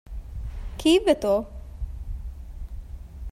ކީއްވެތޯ؟